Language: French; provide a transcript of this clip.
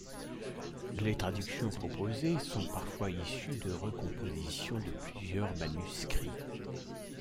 Les traductions proposées sont parfois issues de recompositions de plusieurs manuscrits.